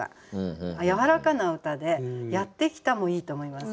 やわらかな歌で「やってきた」もいいと思います。